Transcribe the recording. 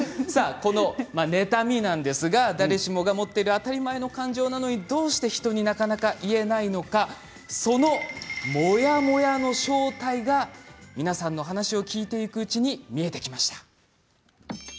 この妬みというのは誰しも持っている当たり前の感情なんですが、どうして人になかなか言えないのかそのモヤモヤの正体が皆さんのお話を聞いていくうちに見えてきました。